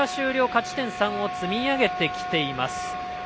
勝ち点３を積み上げてきています。